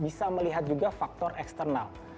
bisa melihat juga faktor eksternal